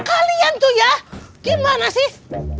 kalian tuh ya gimana sih